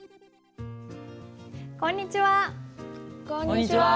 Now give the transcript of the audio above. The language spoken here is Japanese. こんにちは。